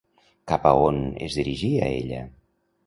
Cap a on es dirigia ella?